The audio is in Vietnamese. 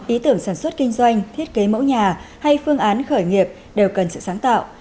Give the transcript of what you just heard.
ý tưởng sản xuất kinh doanh thiết kế mẫu nhà hay phương án khởi nghiệp đều cần sự sáng tạo